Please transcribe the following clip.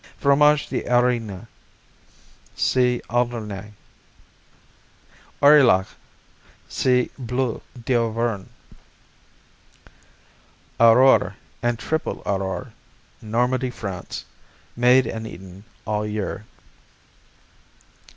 Aurigny, Fromage d' see Alderney. Aurillac see Bleu d'Auvergne. Aurore and Triple Aurore Normandy, France Made and eaten all year.